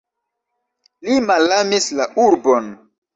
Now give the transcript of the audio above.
Li malamis la urbon.